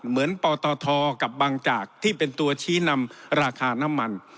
ปตทกับบางจากที่เป็นตัวชี้นำราคาน้ำมัน